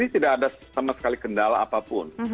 di sini tidak ada sama sekali kendala apapun